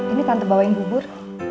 ini tante bawain gubur